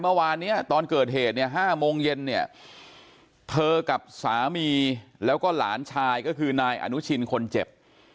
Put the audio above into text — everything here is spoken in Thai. เมื่อวานเนี่ยตอนเกิดเหตุเนี่ย๕โมงเย็นเนี่ยเธอกับสามีแล้วก็หลานชายก็คือนายอนุชินคนเจ็บ